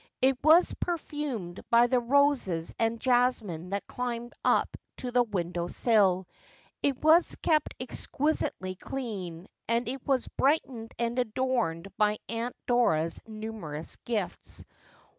It was perfumed by the roses and jasmine that climbed up to the window sill ; it was kept exquisitely clean ; and it was brightened and adorned by Aunt Dora's numerous gifts.